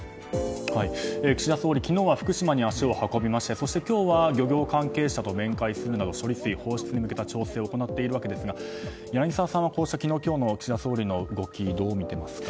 岸田総理、昨日は福島に足を運びましてそして、今日は漁業関係者と面会するなど処理水放出に向けた調整を行っているわけですが柳澤さんは昨日、今日の岸田総理の動きどう見ますか？